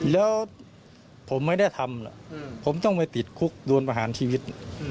แล้วผมไม่ได้ทำผมต้องไปติดคุกโดนประหารชีวิต